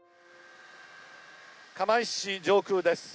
釜石市上空です。